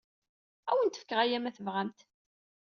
Ad awent-fkeɣ aya ma tebɣamt-t.